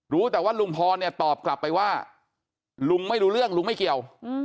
รู้แต่ว่าลุงพรเนี่ยตอบกลับไปว่าลุงไม่รู้เรื่องลุงไม่เกี่ยว